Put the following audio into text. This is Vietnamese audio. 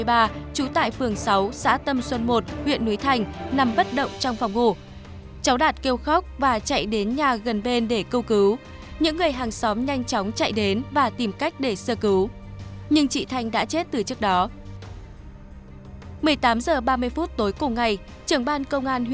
trú tại phường sáu xã tâm xuân i huyện núi thành nằm bất động trong phòng ngủ